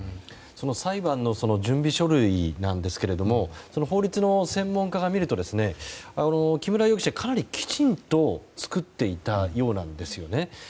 裁判の準備書類なんですが法律の専門家が見ると木村容疑者は、かなりきちんと作っていたようなんですよね。